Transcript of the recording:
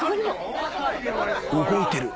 動いてる。